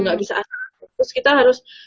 gak bisa terus kita harus